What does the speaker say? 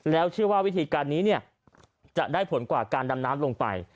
แล้วเชื่อว่าวิธีการนี้จะได้ผลกว่าการดำน้ำลงไป